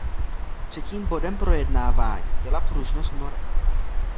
Třetím bodem projednávání byla pružnost norem.